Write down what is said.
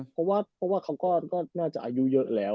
เพราะว่าเขาก็น่าจะอายุเยอะแล้ว